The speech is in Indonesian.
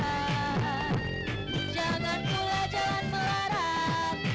kalau jalan mati saya turuti